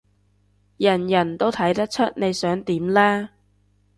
人人都睇得出你想點啦